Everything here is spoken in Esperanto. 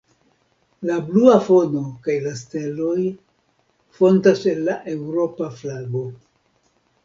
La blua fono kaj la steloj fontas el la Eŭropa flago.